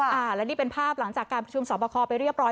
อ่าและนี่เป็นภาพหลังจากการประชุมสอบคอไปเรียบร้อย